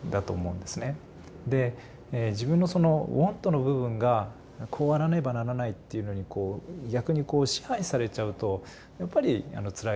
で自分のその「ｗａｎｔ」の部分が「こうあらねばならない」っていうのに逆にこう支配されちゃうとやっぱりつらいと思うんですよ。